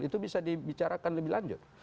itu bisa dibicarakan lebih lanjut